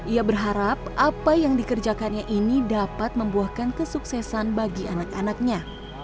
ia berharap apa yang dikerjakannya ini dapat membuahkan kesuksesan bagi anak anaknya